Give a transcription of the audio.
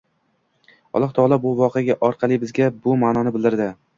Alloh taolo bu voqea orqali bizga bu ma’noni bildirdi.